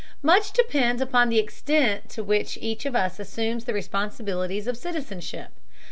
Much depends upon the extent to which each of us assumes the responsibilities of citizenship.